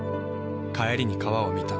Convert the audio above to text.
帰りに川を見た。